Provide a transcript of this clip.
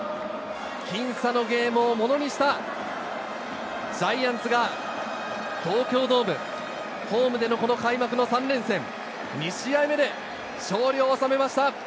僅差のゲームをものにしたジャイアンツが東京ドーム、ホームでの開幕の３連戦、２試合目で勝利を収めました。